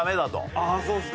ああそうですか。